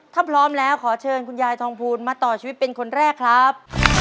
ถ้าพร้อมแล้วขอเชิญคุณยายทองภูลมาต่อชีวิตเป็นคนแรกครับ